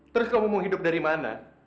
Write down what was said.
terus kamu mau hidup dari mana